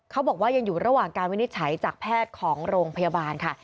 เขาบอกว่ายังอยู่ระหว่างการวินิจฉัยจากแพทย์ของโรงพยาบาลค่ะ